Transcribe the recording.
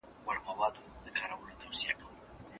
ابهام د ټولني د وروسته پاته کېدو لامل دی.